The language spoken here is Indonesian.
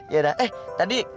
yaudah eh tadi